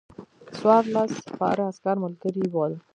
څوارلس سپاره عسکر ملګري ول.